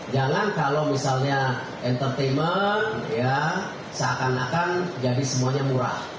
jangan kalau misalnya entertainment seakan akan jadi semuanya murah